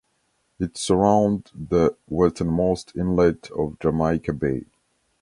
Its surround the westernmost inlet of Jamaica Bay.